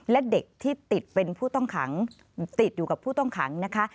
และเด็กที่ติดอยู่กับผู้ต้องขังนะคะ